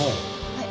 はい。